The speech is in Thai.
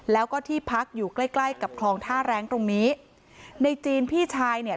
แล้วก็ที่พักอยู่ใกล้ใกล้กับคลองท่าแรงตรงนี้ในจีนพี่ชายเนี่ย